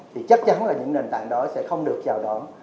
thì chắc chắn là những nền tảng đó sẽ không được chào đón